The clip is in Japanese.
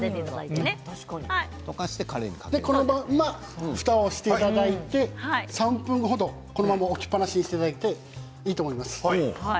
このままふたをしていただいて３分程置きっぱなしにしていただいていいと思います。